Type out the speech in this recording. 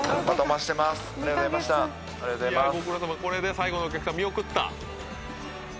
これで最後のお客さん見送った。